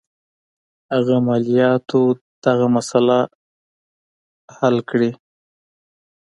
هغه مالیاتو دغه مسله حل کړي.